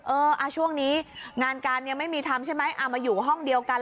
ช่วงนี้งานการยังไม่มีทำใช่ไหมเอามาอยู่ห้องเดียวกัน